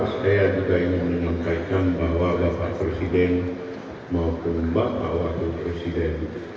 saya juga ingin menampaikan bahwa bapak presiden maupun mbak pak waduh presiden